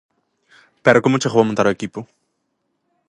Pero, como chegou a montar o equipo?